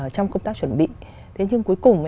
trong công tác chuẩn bị thế nhưng cuối cùng